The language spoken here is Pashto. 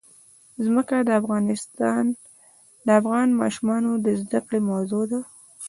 ځمکه د افغان ماشومانو د زده کړې موضوع ده.